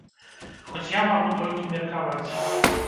Хоць я магу толькі меркаваць.